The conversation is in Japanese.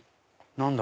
何だ？